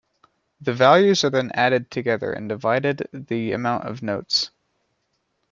The values are then added together and divided the amount of notes.